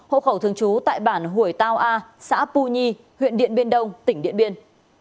hộ khẩu thường trú tại bản hủy tao a xã pu nhi huyện điện biên đông tỉnh điện biên